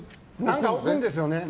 何か置くんですよね。